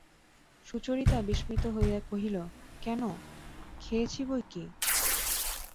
সুচরিতা বিস্মিত হইয়া কহিল, কেন, খেয়েছি বৈকি।